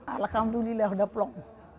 alhamdulillah sudah plong